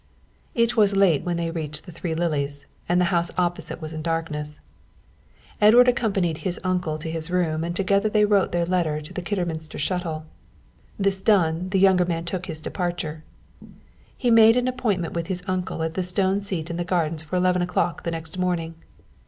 It was late when they reached The Three Lilies and the house opposite was in darkness. Edward accompanied his uncle to his room and together they wrote their letter to The Kidderminster Shuttle. This done, the younger man took his departure. He made an appointment with his uncle at the stone seat in the gardens for eleven o'clock the next morning.